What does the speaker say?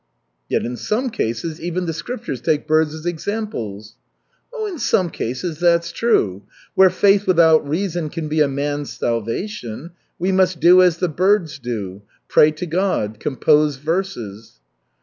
"Yet in some cases even the Scriptures take birds as examples." "In some cases, that's true. Where faith without reason can be a man's salvation, we must do as the birds do, pray to God, compose verses."